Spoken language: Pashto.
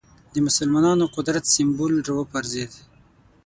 د مسلمانانو قدرت سېمبول راوپرځېد